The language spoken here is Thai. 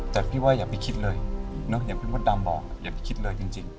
แต่พี่ว่าอย่าไปคิดเลยอย่างพี่มดดำบอกอย่าไปคิดเลยจริง